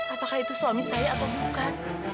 apakah itu suami saya atau bukan